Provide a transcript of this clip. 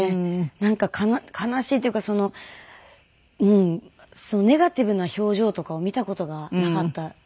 なんか悲しいっていうかネガティブな表情とかを見た事がなかったですね。